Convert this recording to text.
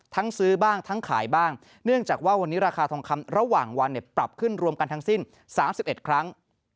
ซื้อบ้างทั้งขายบ้างเนื่องจากว่าวันนี้ราคาทองคำระหว่างวันเนี่ยปรับขึ้นรวมกันทั้งสิ้น๓๑ครั้ง